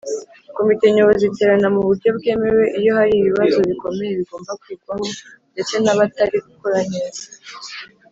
Komite Nyobozi iterana mu buryo bwemewe iyo hari ibibazo bikomeye bigomba kwigwaho ndetse hari nabatari gukora neza.